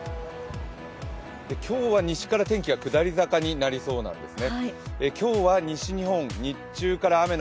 今日は西から天気が下り坂になりそうなんですね。